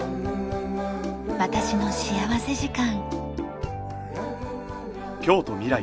『私の幸福時間』。